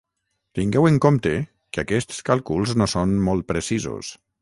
Tingueu en compte que aquests càlculs no són molt precisos.